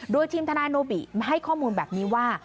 โดยทีมทนายโนบิให้ข้อมูลแบบนี้ว่า